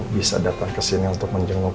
bisa datang kesini untuk menjenguk